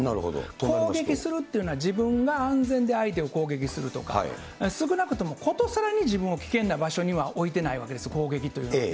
攻撃するというのは、自分が安全で相手を攻撃するとか、少なくともことさらに自分を危険な場所には置いてないわけです、攻撃というのはね。